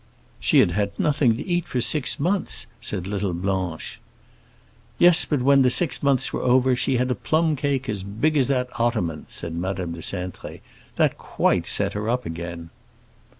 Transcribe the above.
"She had had nothing to eat for six months," said little Blanche. "Yes, but when the six months were over, she had a plum cake as big as that ottoman," said Madame de Cintré. "That quite set her up again."